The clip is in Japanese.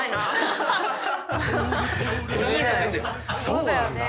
そうなんだ。